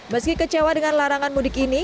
meski kecewa dengan larangan mudik ini